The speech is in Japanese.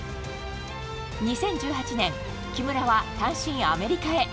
２０１８年、木村は単身、アメリカへ。